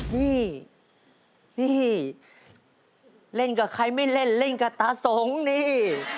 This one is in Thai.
นี่นี่เล่นกับใครไม่เล่นเล่นกับตาสงฆ์นี่